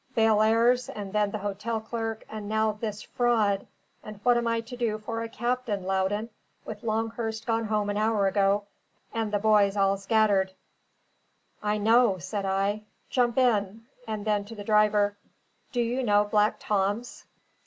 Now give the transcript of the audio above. "Bellairs, and then the hotel clerk, and now This Fraud! And what am I to do for a captain, Loudon, with Longhurst gone home an hour ago, and the boys all scattered?" "I know," said I. "Jump in!" And then to the driver: "Do you know Black Tom's?"